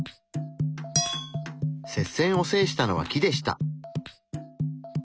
接戦を制したのは木でした。